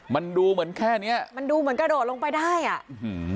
มันดูเหมือนแค่เนี้ยมันดูเหมือนกระโดดลงไปได้อ่ะอื้อหือ